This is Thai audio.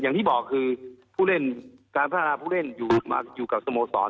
อย่างที่บอกคือผู้เล่นการพัฒนาผู้เล่นอยู่กับสโมสร